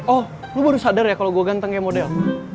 oh lo baru sadar ya kalau gue ganteng kayak model